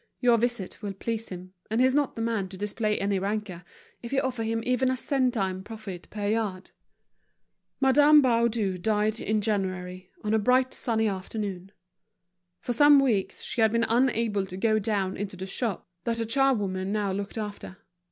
Your visit will please him, and he's not the man to display any rancour, if you offer him even a centime profit per yard." Madame Baudu died in January, on a bright sunny afternoon. For some weeks she had been unable to go down into the shop that a charwoman now looked after.